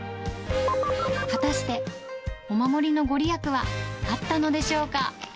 果たして、お守りの御利益はあったのでしょうか。